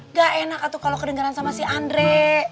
nggak enak tuh kalau kedengeran sama si andre